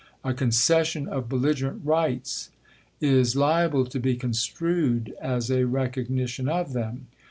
A concession of belligerent rights is liable to be construed as a recognition of them.